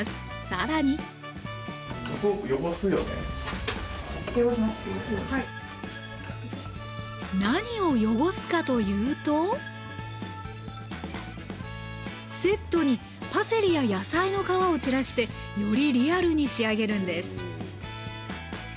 更に何を汚すかというとセットにパセリや野菜の皮を散らしてよりリアルに仕上げるんです